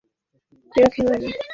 গেমসও কেউ খেলে না।